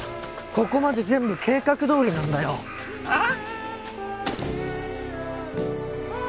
ここまで全部計画どおりなんだよ。ああ！？